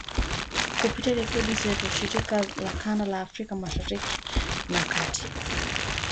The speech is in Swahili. kupitia redio zetu shirika za kanda ya Afrika Mashariki na Kati